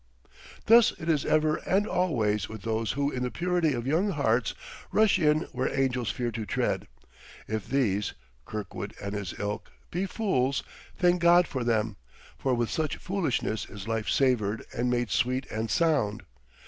Thus is it ever and alway with those who in the purity of young hearts rush in where angels fear to tread; if these, Kirkwood and his ilk, be fools, thank God for them, for with such foolishness is life savored and made sweet and sound!